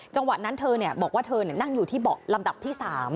จังหวะนั้นเธอบอกว่าเธอนั่งอยู่ที่เบาะลำดับที่๓